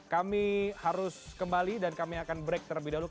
kami harus kembali dan kami akan break terlebih dahulu